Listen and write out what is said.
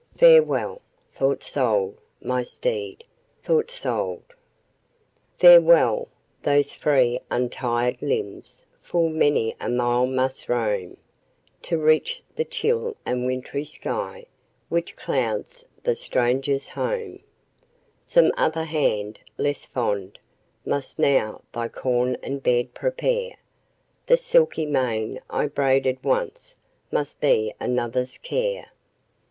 farewell! thou'rt sold, my steed, thou'rt sold! Farewell! those free untired limbs full many a mile must roam, To reach the chill and wintry sky which clouds the stranger's home; Some other hand, less fond, must now thy corn and bed prepare; The silky mane I braided once must be another's care.